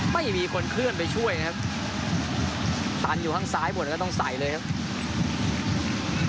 ไม่มีคนเคลื่อนไปช่วยนะครับตันอยู่ข้างซ้ายหมดแล้วก็ต้องใส่เลยครับ